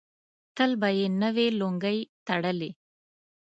تل به یې نوې لونګۍ تړلې.